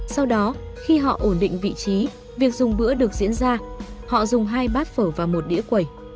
sau đó khi họ ổn định vị trí việc dùng bữa được diễn ra họ dùng hai bát phở và một đĩa quẩy